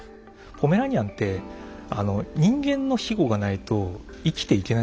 ポメラニアンって人間の庇護がないと生きていけないんですよね。